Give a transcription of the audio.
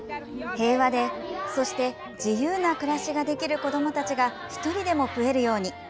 平和で、そして自由な暮らしができる子どもたちが１人でも増えるように。